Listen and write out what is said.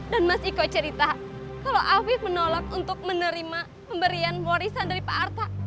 dan mas iko cerita kalau afif menolak untuk menerima pemberian warisan dari pak arta